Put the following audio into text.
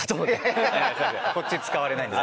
こっち使われないんで。